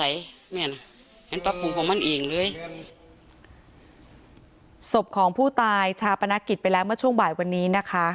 สมบของผู้ตายชาอพนักหกิจไปแล้วเมื่อช่วงบ่ายวันนี้นะคะ